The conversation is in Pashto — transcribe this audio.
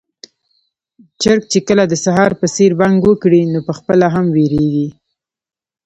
چرګ چې کله د سهار په څېر بانګ وکړي، نو پخپله هم وېريږي.